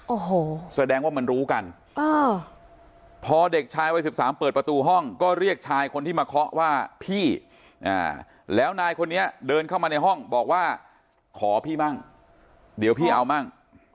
โอ้โหแสดงว่ามันรู้กันพอเด็กชายวัย๑๓เปิดประตูห้องก็เรียกชายคนที่มาเคาะว่าพี่แล้วนายคนนี้เดินเข้ามาในห้องบอกว่าขอพี่มั่งเดี๋ยวพี่เอามั่ง